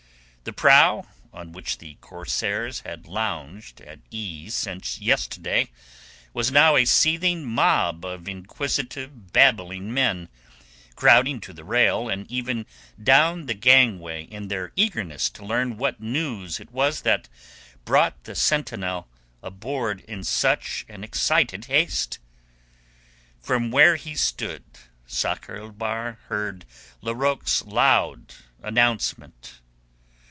The prow, on which the corsairs had lounged at ease since yesterday, was now a seething mob of inquisitive babbling men, crowding to the rail and even down the gangway in their eagerness to learn what news it was that brought the sentinel aboard in such excited haste. From where he stood Sakr el Bahr heard Larocque's loud announcement.